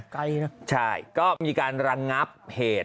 ไกลนะใช่ก็มีการระงับเหตุ